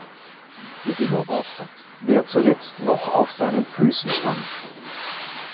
Gewinner war, wer zuletzt noch auf seinen Füßen stand.